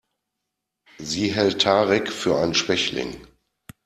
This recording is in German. Sie hält Tarek für einen Schwächling.